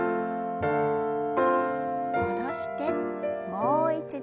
戻してもう一度。